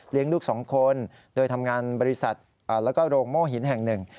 เลี้ยงลูกสองคนโดยทำงานบริษัทและโรงโมหินแห่งหนึ่ง